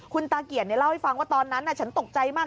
คุณตาเกียจเล่าให้ฟังว่าตอนนั้นฉันตกใจมาก